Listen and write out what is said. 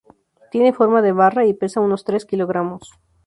Tiene forma de barra y pesa unos tres kilogramos.